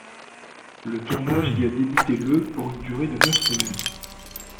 Le tournage y a débuté le pour une durée de neuf semaines.